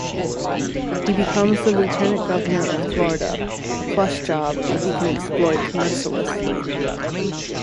He becomes the lieutenant governor of Florida, a plush job he can exploit mercilessly.